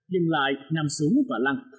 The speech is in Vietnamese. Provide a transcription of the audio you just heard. dừng lại nằm xuống và lăng